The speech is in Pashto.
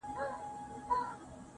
او په وجود كي مي.